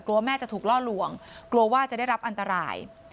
แม่จะถูกล่อลวงกลัวว่าจะได้รับอันตราย